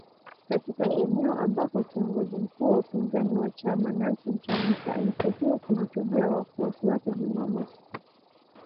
Katika eneo ambako kiongozi mkuu wa upinzani wa chama , Nelson Chamisa, alitakiwa kuhutubia wafuasi wake Jumamosi